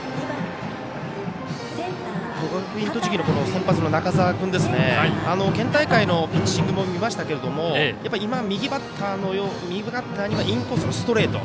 栃木の先発の中澤君県大会のピッチングも見ましたけれども今、右バッターにはインコースのストレート。